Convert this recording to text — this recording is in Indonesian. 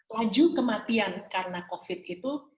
laju kematian karena covid sembilan belas itu